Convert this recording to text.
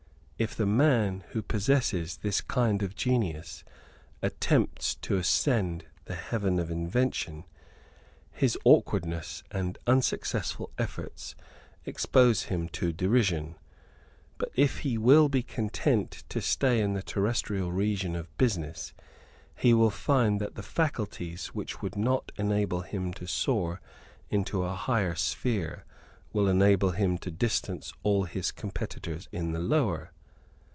If the man who possesses this kind of genius attempts to ascend the heaven of invention, his awkward and unsuccessful efforts expose him to derision. But if he will be content to stay in the terrestrial region of business, he will find that the faculties which would not enable him to soar into a higher sphere will enable him to distance all his competitors in the lower.